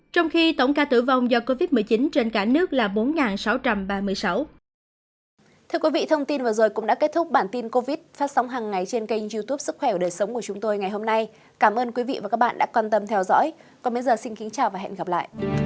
trong khi tổng ca tử vong do covid một mươi chín trên cả nước là bốn sáu trăm ba mươi sáu